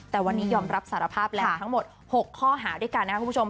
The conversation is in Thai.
แต่วันนี้ยอมรับสารภาพแล้วทั้งหมด๖ข้อหาด้วยกันนะครับคุณผู้ชม